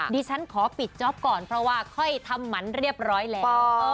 ดิฉันขอปิดจ๊อปก่อนเพราะว่าค่อยทำหมันเรียบร้อยแล้ว